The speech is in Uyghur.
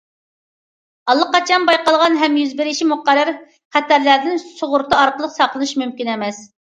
ئاللىقاچان بايقالغان ھەم يۈز بېرىشى مۇقەررەر خەتەرلەردىن سۇغۇرتا ئارقىلىق ساقلىنىش مۇمكىن ئەمەس.